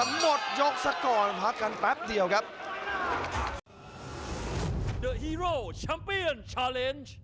หมดยกสักก่อนพักกันแป๊บเดียวครับ